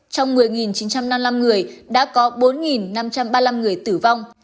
trong một mươi chín trăm năm mươi năm người đã có bốn năm trăm ba mươi năm người tử vong